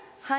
はい。